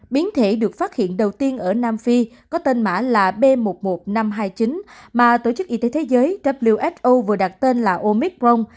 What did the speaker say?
biến thể được phát hiện đầu tiên ở nam phi có tên mã là b một mươi một nghìn năm trăm hai mươi chín mà tổ chức y tế thế giới who vừa đặt tên là omicron